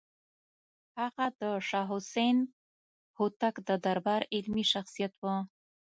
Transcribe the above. هغه د شاه حسین هوتک د دربار علمي شخصیت و.